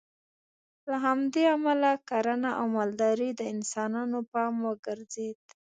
له همدې امله کرنه او مالداري د انسانانو پام وګرځېد